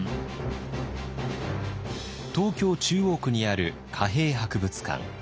東京・中央区にある貨幣博物館。